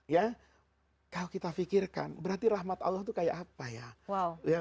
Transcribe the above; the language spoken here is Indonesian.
ya kalau kita fikirkan berarti rahmat allah itu kayak apa ya